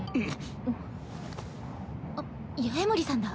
あっ八重森さんだ。